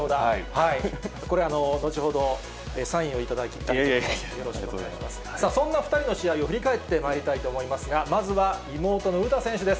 はい、これ、後ほどサインを頂きいえいえ、ありがとうございそんな２人の試合を振り返ってまいりたいと思いますが、まずは妹の詩選手です。